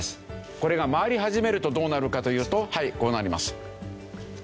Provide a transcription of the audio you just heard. これが回り始めるとどうなるかというとこうなります。